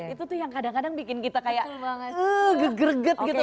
itu tuh yang kadang kadang bikin kita kayak gegerget gitu